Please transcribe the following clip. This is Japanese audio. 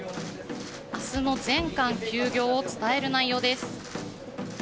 明日の全館休業を伝える内容です。